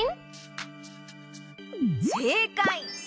せいかい！